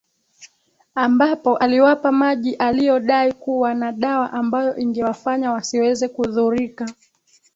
ambapo aliwapa maji aliyodai kuwa na dawa ambayo ingewafanya wasiweze kudhurika